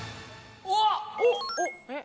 うわ！おっ！